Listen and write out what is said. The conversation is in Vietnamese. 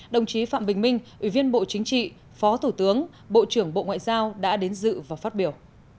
đồng chí phạm bình minh ủy viên bộ chính trị phó thủ tướng bộ trưởng bộ ngoại giao đã đến dự và phát biểu